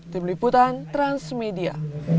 tim liputan transmedia